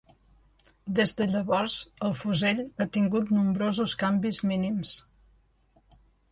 Des de llavors, el fusell ha tingut nombrosos canvis mínims.